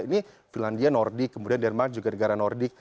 ini finlandia nordic kemudian denmark juga negara nordic